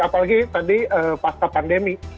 apalagi tadi pasca pandemi